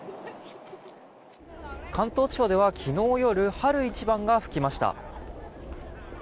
関東地方では昨日夜春一番が吹きました。